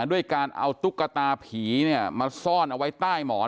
ด้วยการเอาตุ๊กตาผีมาซ่อนเอาไว้ใต้หมอน